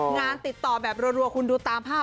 งานติดต่อแบบรัวคุณดูตามภาพ